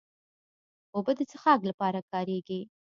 اوبه د څښاک لپاره کارېږي.